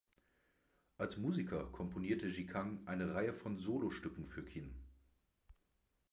Als Musiker komponierte Ji Kang eine Reihe von Solostücken für Qin.